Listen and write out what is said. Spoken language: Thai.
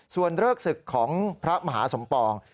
ส่วนเลิกศึกของพระมหาสมปอง